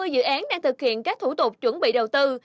một trăm ba mươi dự án đang thực hiện các thủ tục chuẩn bị đầu tư